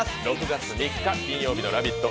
６月３日金曜日の「ラヴィット！」